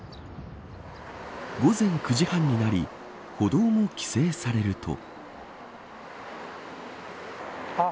午前９時半になり歩道も規制されると。